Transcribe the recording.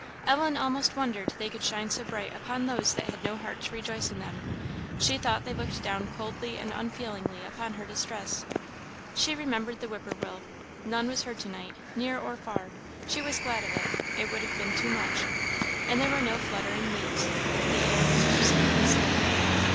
Ellen almost wondered they could shine so bright upon those that had no heart to rejoice in them; she thought they looked down coldly and unfeelingly upon her distress. She remembered the whip poor will; none was heard to night, near or far; she was glad of it; it would have been too much; and there were no fluttering leaves; the air was absolutely still.